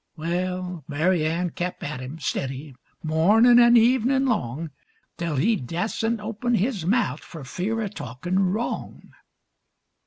Wal, Mary Ann kep' at him stiddy mornin' an' evenin' long, Tell he dassent open his mouth for fear o' talkin' wrong.